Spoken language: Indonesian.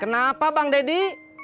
kenapa bang dadi